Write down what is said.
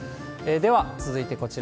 では、続いてこちら。